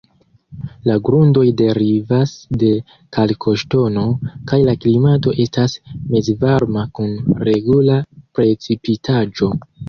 La grundoj derivas de kalkoŝtono, kaj la klimato estas mezvarma kun regula precipitaĵo.